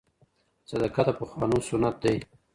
صدقه د پخوانو سنت دی.